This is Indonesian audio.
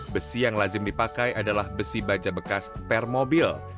besi yang lazim dipakai adalah besi baja bekas per mobil